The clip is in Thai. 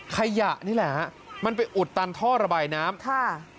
ไข่หยะนี่แหละมันไปอุดตันท่อระบายน้ำ